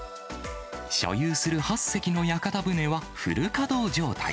所有する８隻の屋形船はフル稼働状態。